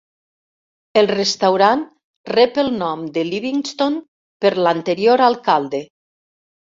El restaurant rep el nom de Livingston per l'anterior alcalde.